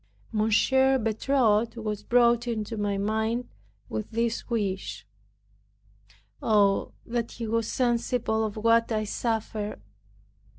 M. Bertot was brought into my mind, with this wish, "Oh, that he was sensible of what I suffer!"